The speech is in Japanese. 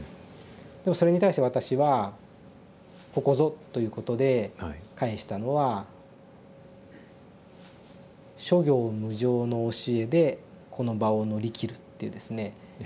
でもそれに対して私は「ここぞ」ということで返したのは「諸行無常の教えでこの場を乗り切る」っていうですね。